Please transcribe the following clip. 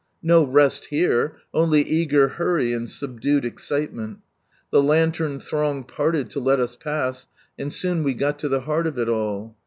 No rest here, only eager hurry and subdued excitement. The lantern throng parted to let us pass, and soon we got to the heart of it all.